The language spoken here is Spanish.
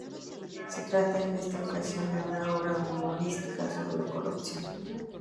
Se trata en esta ocasión de una obra humorística sobre la corrupción.